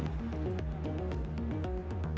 kisah kisah yang cepat untuk menemukan kenangan dan pengalaman